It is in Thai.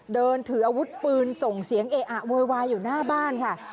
เดินถืออาวุธปืนส่งเสียงเออะโวยวายอยู่หน้าบ้านค่ะ